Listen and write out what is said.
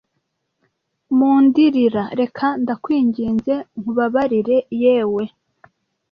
Mundirira, reka ndakwinginze nkubabarire, yewe